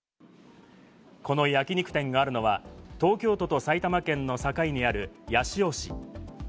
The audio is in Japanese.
この焼き肉店があるのは、東京都と埼玉県の境にある八潮市。